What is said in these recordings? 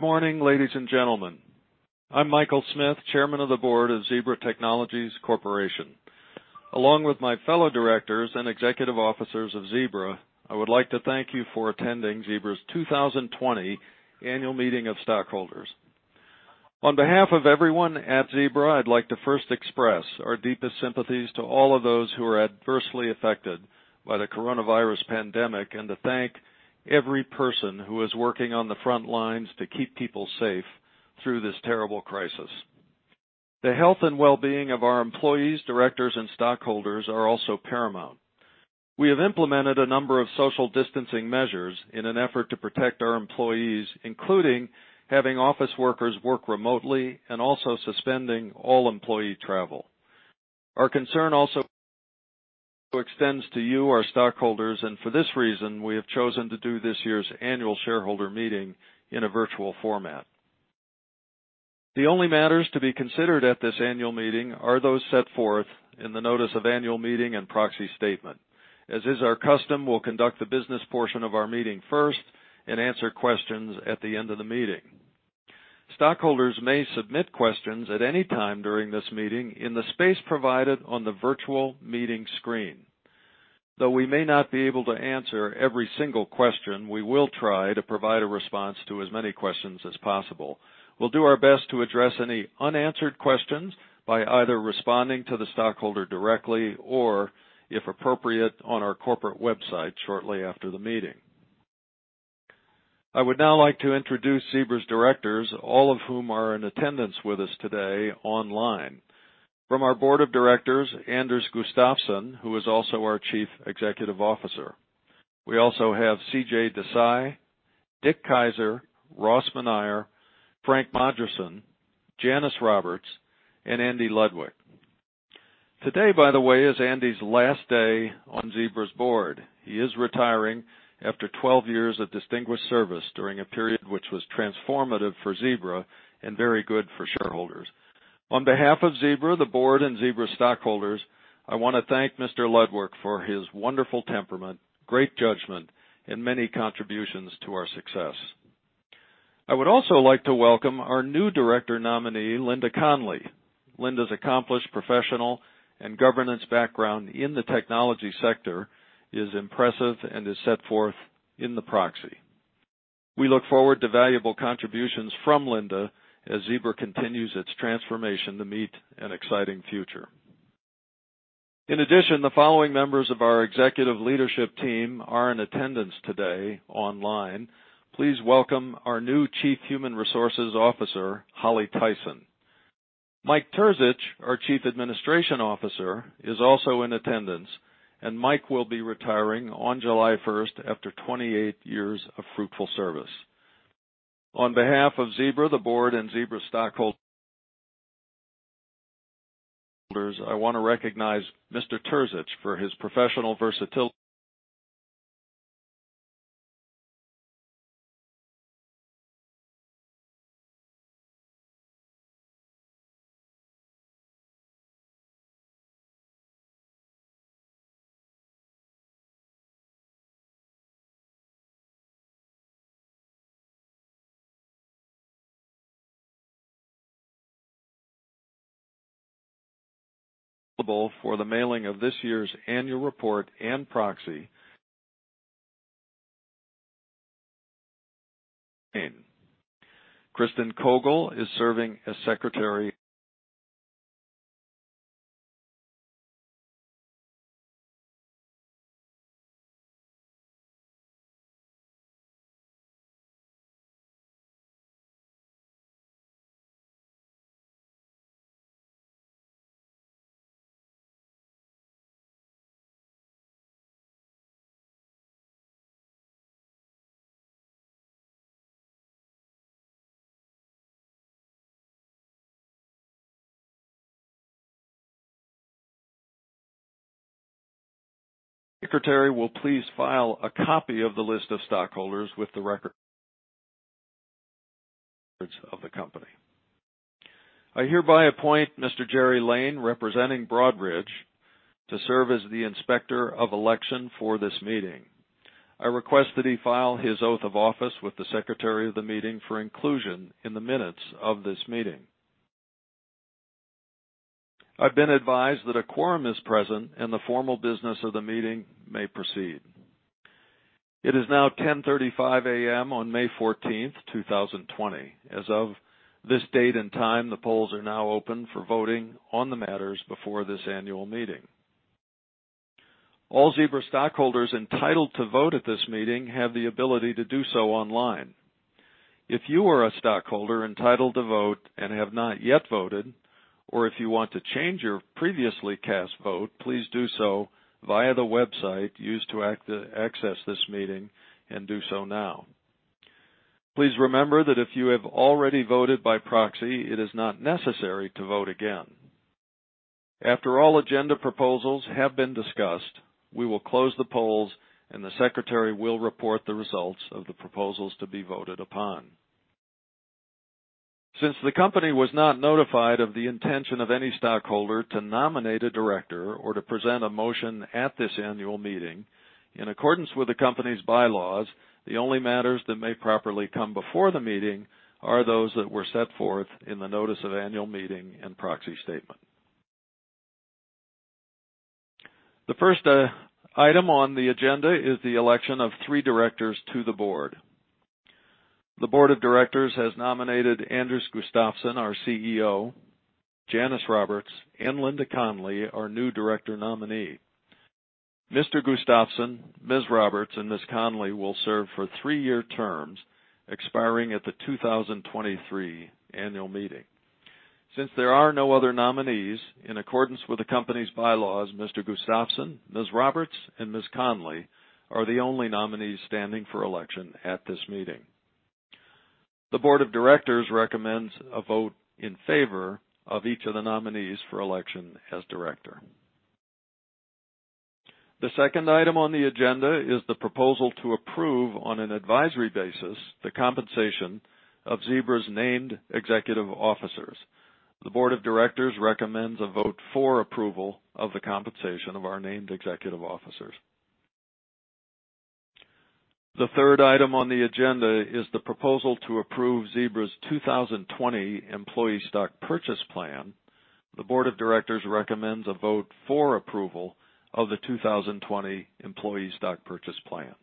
Good morning, ladies and gentlemen. I'm Michael Smith, Chairman of the Board of Zebra Technologies Corporation. Along with my fellow directors and executive officers of Zebra, I would like to thank you for attending Zebra's 2020 annual meeting of stockholders. On behalf of everyone at Zebra, I'd like to first express our deepest sympathies to all of those who are adversely affected by the coronavirus pandemic and to thank every person who is working on the front lines to keep people safe through this terrible crisis. The health and well-being of our employees, directors, and stockholders are also paramount. We have implemented a number of social distancing measures in an effort to protect our employees, including having office workers work remotely and also suspending all employee travel. Our concern also extends to you, our stockholders, and for this reason we have chosen to do this year's annual shareholder meeting in a virtual format. The only matters to be considered at this annual meeting are those set forth in the notice of annual meeting and proxy statement. As is our custom, we'll conduct the business portion of our meeting first and answer questions at the end of the meeting. Stockholders may submit questions at any time during this meeting in the space provided on the virtual meeting screen. Though we may not be able to answer every single question, we will try to provide a response to as many questions as possible. We'll do our best to address any unanswered questions by either responding to the stockholder directly or, if appropriate, on our corporate website shortly after the meeting. I would now like to introduce Zebra's directors, all of whom are in attendance with us today online. From our board of directors, Anders Gustafsson, who is also our Chief Executive Officer. We also have C.J. Desai, Richard Keyser, Ross Manire, Frank Modruson, Janice Roberts, and Andrew Ludwick. Today, by the way, is Andy's last day on Zebra's board. He is retiring after 12 years of distinguished service during a period which was transformative for Zebra and very good for shareholders. On behalf of Zebra, the board, and Zebra stockholders, I want to thank Mr. Ludwick for his wonderful temperament, great judgment, and many contributions to our success. I would also like to welcome our new director nominee, Linda Connly. Linda's accomplished professional and governance background in the technology sector is impressive and is set forth in the proxy. We look forward to valuable contributions from Linda as Zebra continues its transformation to meet an exciting future. In addition, the following members of our executive leadership team are in attendance today online. Please welcome our new Chief Human Resources Officer, Holly Tyson. Mike Terzich, our Chief Administrative Officer, is also in attendance, and Mike will be retiring on July 1st after 28 years of fruitful service. On behalf of Zebra, the board, and Zebra stockholders, I want to recognize Mr. Terzich for his professional versatility. Thank you for the mailing of this year's annual report and proxy. Cristen Kogl is serving as Secretary. Secretary will please file a copy of the list of stockholders with the records of the company. I hereby appoint Mr. Jerry Lane representing Broadridge to serve as the inspector of election for this meeting. I request that he file his oath of office with the secretary of the meeting for inclusion in the minutes of this meeting. I've been advised that a quorum is present and the formal business of the meeting may proceed. It is now 10:35 A.M. on May 14th, 2020. As of this date and time, the polls are now open for voting on the matters before this annual meeting. All Zebra stockholders entitled to vote at this meeting have the ability to do so online. If you are a stockholder entitled to vote and have not yet voted, or if you want to change your previously cast vote, please do so via the website used to access this meeting and do so now. Please remember that if you have already voted by proxy, it is not necessary to vote again. After all agenda proposals have been discussed, we will close the polls and the secretary will report the results of the proposals to be voted upon. Since the company was not notified of the intention of any stockholder to nominate a director or to present a motion at this annual meeting, in accordance with the company's bylaws, the only matters that may properly come before the meeting are those that were set forth in the notice of annual meeting and proxy statement. The first item on the agenda is the election of three directors to the board. The board of directors has nominated Anders Gustafsson, our CEO, Janice Roberts, and Linda Connly, our new director nominee. Mr. Gustafsson, Ms. Roberts, and Ms. Connly will serve for three-year terms expiring at the 2023 annual meeting. Since there are no other nominees, in accordance with the company's bylaws, Mr. Gustafsson, Ms. Roberts, and Ms. Connly are the only nominees standing for election at this meeting. The board of directors recommends a vote in favor of each of the nominees for election as director. The second item on the agenda is the proposal to approve on an advisory basis the compensation of Zebra's named executive officers. The board of directors recommends a vote for approval of the compensation of our named executive officers. The third item on the agenda is the proposal to approve Zebra's 2020 Employee Stock Purchase Plan. The board of directors recommends a vote for approval of the 2020 Employee Stock Purchase Plan.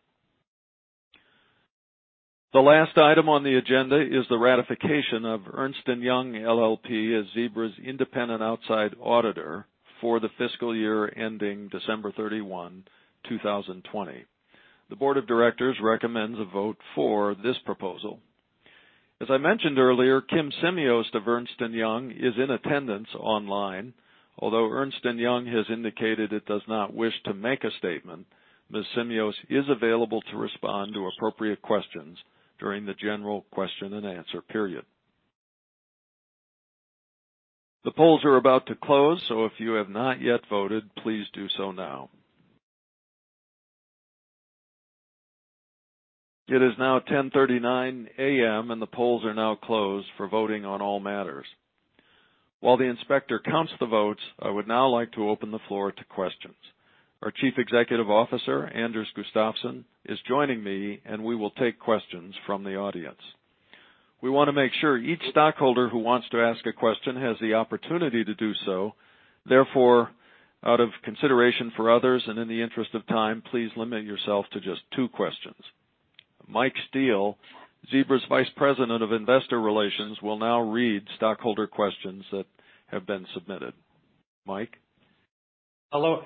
The last item on the agenda is the ratification of Ernst & Young LLP as Zebra's independent outside auditor for the fiscal year ending December 31, 2020. The board of directors recommends a vote for this proposal. As I mentioned earlier, Kim Simios of Ernst & Young is in attendance online. Although Ernst & Young has indicated it does not wish to make a statement, Ms. Simios is available to respond to appropriate questions during the general question-and-answer period. The polls are about to close, so if you have not yet voted, please do so now. It is now 10:39 A.M. and the polls are now closed for voting on all matters. While the inspector counts the votes, I would now like to open the floor to questions. Our Chief Executive Officer, Anders Gustafsson, is joining me and we will take questions from the audience. We want to make sure each stockholder who wants to ask a question has the opportunity to do so. Therefore, out of consideration for others and in the interest of time, please limit yourself to just two questions. Mike Steele, Zebra's Vice President of Investor Relations, will now read stockholder questions that have been submitted. Mike?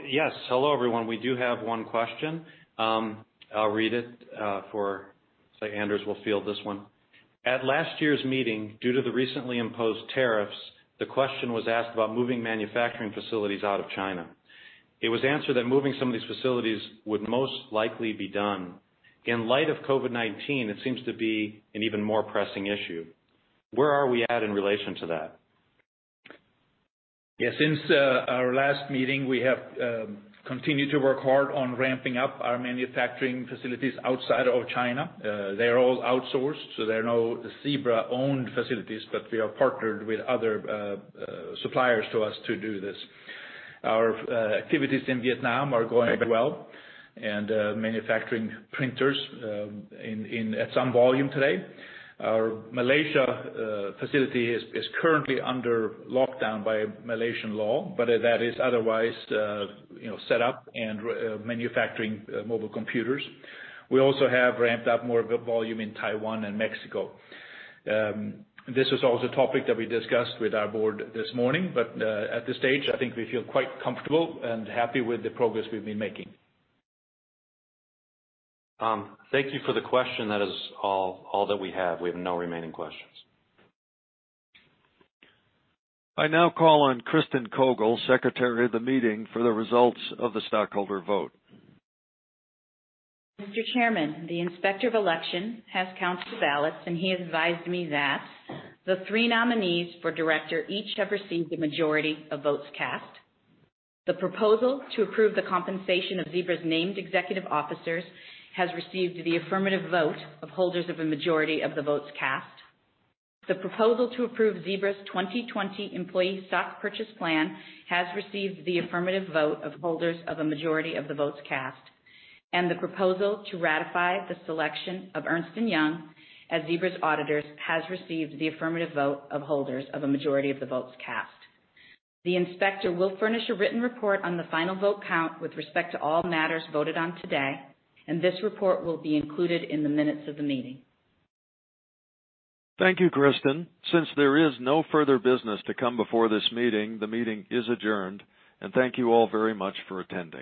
Yes. Hello everyone. We do have one question. I'll read it so Anders will field this one. At last year's meeting, due to the recently imposed tariffs, the question was asked about moving manufacturing facilities out of China. It was answered that moving some of these facilities would most likely be done. In light of COVID-19, it seems to be an even more pressing issue. Where are we at in relation to that? Yes. Since our last meeting, we have continued to work hard on ramping up our manufacturing facilities outside of China. They are all outsourced, so they are no Zebra-owned facilities, but we are partnered with other suppliers to us to do this. Our activities in Vietnam are going well and manufacturing printers at some volume today. Our Malaysia facility is currently under lockdown by Malaysian law, but that is otherwise set up and manufacturing mobile computers. We also have ramped up more volume in Taiwan and Mexico. This was also a topic that we discussed with our board this morning, but at this stage, I think we feel quite comfortable and happy with the progress we've been making. Thank you for the question. That is all that we have. We have no remaining questions. I now call on Cristen Kogl, secretary of the meeting, for the results of the stockholder vote. Mr. Chairman, the inspector of election has counted the ballots and he has advised me that: the three nominees for director each have received a majority of votes cast. The proposal to approve the compensation of Zebra's named executive officers has received the affirmative vote of holders of a majority of the votes cast. The proposal to approve Zebra's 2020 Employee Stock Purchase Plan has received the affirmative vote of holders of a majority of the votes cast. And the proposal to ratify the selection of Ernst & Young as Zebra's auditors has received the affirmative vote of holders of a majority of the votes cast. The inspector will furnish a written report on the final vote count with respect to all matters voted on today, and this report will be included in the minutes of the meeting. Thank you, Cristen. Since there is no further business to come before this meeting, the meeting is adjourned, and thank you all very much for attending.